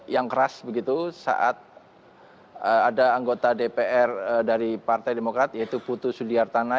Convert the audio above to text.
yang keras begitu saat ada anggota dpr dari partai demokrat yaitu putu sudiartana